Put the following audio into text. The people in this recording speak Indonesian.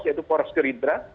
yaitu poros geridra